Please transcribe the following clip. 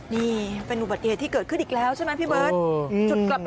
นี่เป็นอุบัติเหตุที่เกิดขึ้นอีกแล้วใช่ไหมพี่เบิร์ต